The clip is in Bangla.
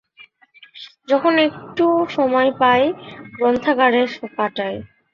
যখনই একটু সময় পাই গ্রন্থাগারে কাটাই।